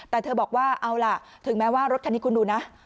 แต่เธอบอกว่าเอาล่ะถึงแม้ว่ารถคันนี้คุณดูนะ